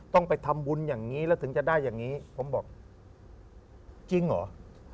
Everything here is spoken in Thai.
ต้องไปทำบุญอย่างนี้แล้วถึงจะได้อย่างนี้ผมบอกจริงเหรอ